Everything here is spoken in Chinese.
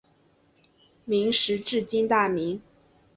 明时治今大名。